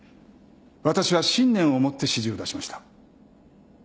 私は信念を持って指示を出しました。